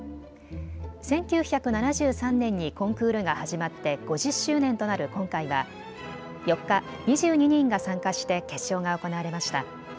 １９７３年にコンクールが始まって５０周年となる今回は４日、２２人が参加して決勝が行われました。